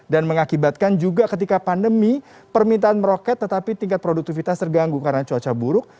dan mengakibatkan juga ketika pandemi permintaan meroket tetapi tingkat produktivitas terganggu karena cuaca buruk